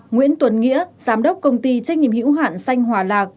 năm nguyễn tuấn nghĩa giám đốc công ty trách nhiệm hiểu hạn xanh hòa lạc